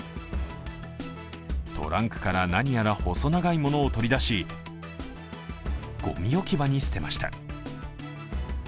トランクから何やら細長いものを取り出しごみ置き場に捨てました。